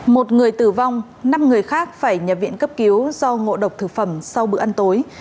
một người tử vong năm người khác phải nhập viện cấp cứu do ngộ độc thực phẩm sau bữa ăn tối